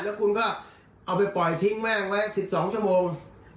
แล้วคุณก็เอาไปปล่อยทิ้งแม่งไว้๑๒ชั่วโมง